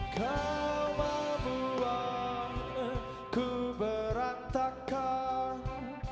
kau membuatku berantakan